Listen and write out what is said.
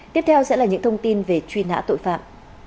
tiếp theo sẽ là những thông tin về truy nã tội phạm